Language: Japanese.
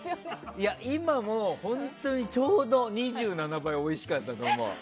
いや、今もちょうど２７倍おいしかったと思う。